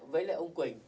với lại ông quỳnh